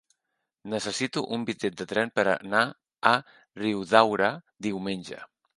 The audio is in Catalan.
Necessito un bitllet de tren per anar a Riudaura diumenge.